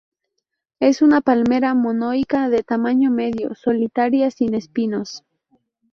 Es una palmera monoica de tamaño medio, solitaria, sin espinos.